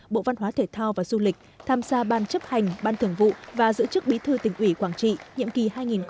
bộ văn hóa thể thao và du lịch tham gia ban chấp hành ban thường vụ và giữ chức bí thư tỉnh ủy quảng trị nhiệm kỳ hai nghìn hai mươi hai nghìn hai mươi